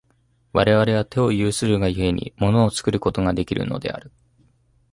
我々は手を有するが故に、物を作ることができるのである。